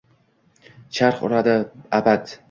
Charx uradi abad